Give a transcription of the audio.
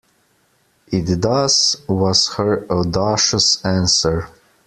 It does, was her audacious answer.